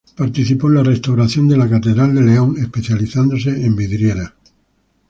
Participó en la restauración de la catedral de León, especializándose en vidrieras.